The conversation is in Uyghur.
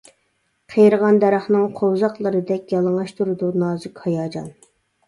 قېرىغان دەرەخنىڭ قوۋزاقلىرىدەك، يالىڭاچ تۇرىدۇ نازۇك ھاياجان.